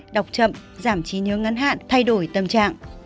đọc chậm giảm trí nhớ ngắn hạn thay đổi tâm trạng